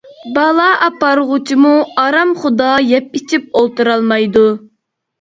بالا ئاپارغۇچىمۇ ئارام خۇدا يەپ-ئىچىپ ئولتۇرالمايدۇ.